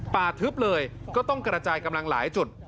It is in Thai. ทึบเลยก็ต้องกระจายกำลังหลายจุด